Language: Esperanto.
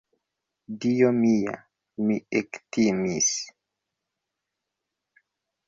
Dio mia!, mi ektimis!